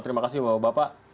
terima kasih bapak bapak